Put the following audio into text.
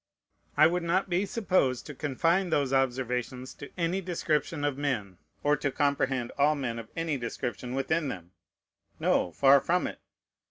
I would not be supposed to confine those observations to any description of men, or to comprehend all men of any description within them, no, far from it!